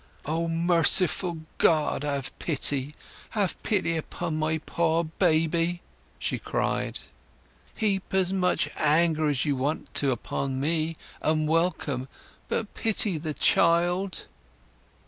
"O merciful God, have pity; have pity upon my poor baby!" she cried. "Heap as much anger as you want to upon me, and welcome; but pity the child!"